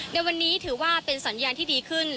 ในวันนี้ถือว่าเป็นสัญญาณที่ดีขึ้น